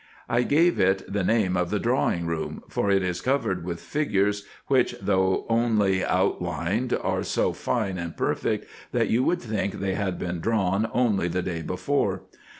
I gave it the name of the drawing room ; for it is covered with figures, which, though only out lined, are so fine and perfect, that you would think they had been drawn only the day before.